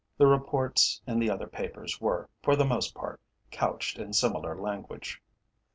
The reports in the other papers were, for the most part, couched in similar language.